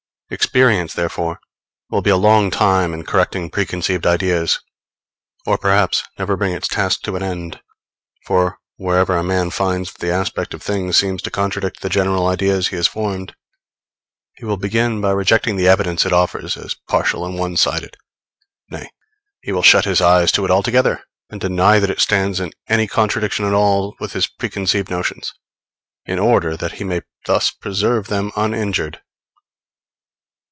Experience, therefore, will be a long time in correcting preconceived ideas, or perhaps never bring its task to an end; for wherever a man finds that the aspect of things seems to contradict the general ideas he has formed, he will begin by rejecting the evidence it offers as partial and one sided; nay, he will shut his eyes to it altogether and deny that it stands in any contradiction at all with his preconceived notions, in order that he may thus preserve them uninjured.